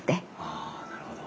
あなるほど。